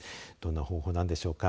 どんな方法なんでしょうか。